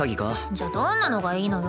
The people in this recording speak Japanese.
じゃあどんなのがいいのよ。